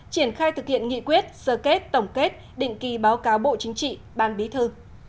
triển khai thực hiện nghị quyết sơ kết tổng kết định kỳ báo cáo bộ chính trị ban bí thư